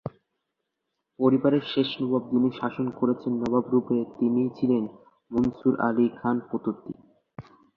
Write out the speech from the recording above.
পরিবারের শেষ নবাব যিনি শাসন করেছেন নবাব রূপে তিনি ছিলেন মনসুর আলি খান পতৌদি।